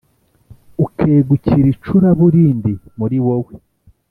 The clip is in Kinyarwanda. ukegukira icura burindi muri wowe